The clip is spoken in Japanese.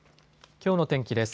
きょうの天気です。